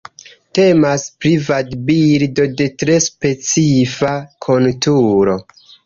Temas pri vadbirdo de tre specifa konturo.